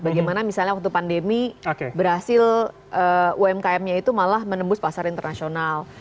bagaimana misalnya waktu pandemi berhasil umkm nya itu malah menembus pasar internasional